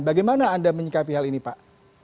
bagaimana anda menyikapi hal ini pak